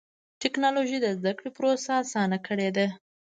ټکنالوجي د زدهکړې پروسه اسانه کړې ده.